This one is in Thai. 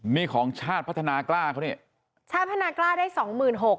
นี่ของชาติพัฒนากล้าเขานี่ชาติพัฒนากล้าได้สองหมื่นหก